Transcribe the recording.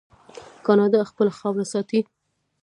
کاناډا خپله خاوره ساتي.